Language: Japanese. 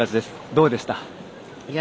どうでした？